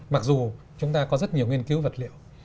mặc dù chúng ta có rất nhiều nghiên cứu vật liệu